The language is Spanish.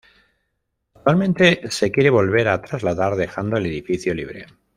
Actualmente se quiere volver a trasladar, dejando el edificio libre.